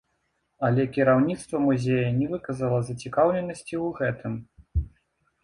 Але кіраўніцтва музея не выказала зацікаўленасці ў гэтым.